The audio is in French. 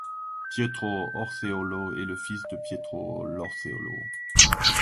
Pietro Orseolo est le fils de Pietro I Orseolo.